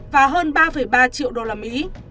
và hơn ba ba triệu đô la mỹ